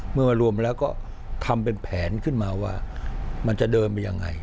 เมื่อมารวมแล้วก็ทำเป็นแผนขึ้นมาว่ามันจะเดินไปยังไง